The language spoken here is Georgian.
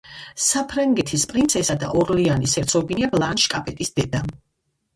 საფრანგეთის პრინცესა და ორლეანის ჰერცოგინია ბლანშ კაპეტის დედა.